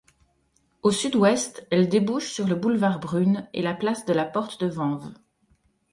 Au sud-ouest, elle débouche sur le boulevard Brune et la place de la Porte-de-Vanves.